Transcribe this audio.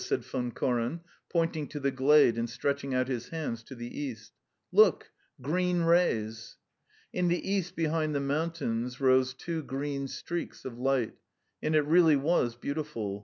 said Von Koren, pointing to the glade and stretching out his hands to the east. "Look: green rays!" In the east behind the mountains rose two green streaks of light, and it really was beautiful.